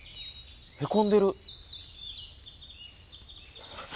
へこんでる。